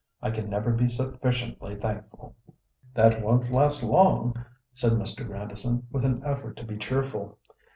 I can never be sufficiently thankful." "That won't last long," said Mr. Grandison, with an effort to be cheerful.